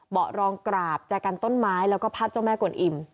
รองกราบแจกันต้นไม้แล้วก็ภาพเจ้าแม่กวนอิ่ม